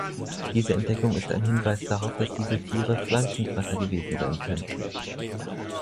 Diese Entdeckung ist ein Hinweis darauf, dass diese Tiere Pflanzenfresser gewesen sein könnten.